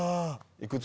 いくつ？